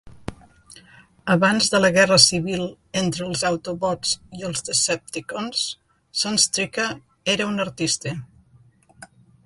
Abans de la guerra civil entre els Autobots i els Decepticons, Sunstreaker era un artista.